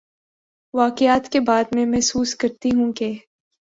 واقعات کے بعد میں محسوس کرتی ہوں کہ